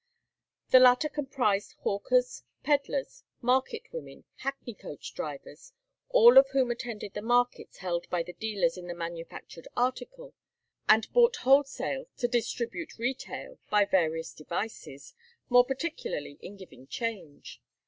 The latter comprised hawkers, peddlers, market women, hackney coach drivers, all of whom attended the markets held by the dealers in the manufactured article, and bought wholesale to distribute retail by various devices, more particularly in giving change.